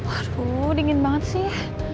aduh dingin banget sih